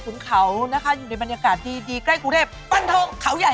เหมือนคนใช่ไหมหมาค่ะโอ้ยคุณแม่เหรอรับหรือ